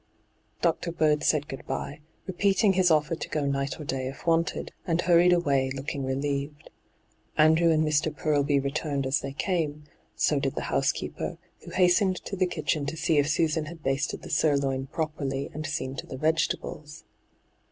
Dr. Bird said good bye, repeating his offer to go night or day if wanted, and hurried away, looking relieved. Andrew and Mr. Furlby returned as they came ; so did the housekeeper, who hastened to the kitchen to see if Susan had basted the sirloin properly and seen to the vegetables.